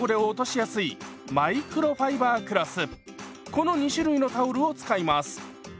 この２種類のタオルを使います。